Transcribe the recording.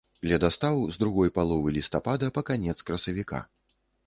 Ледастаў з другой паловы лістапада па канец красавіка.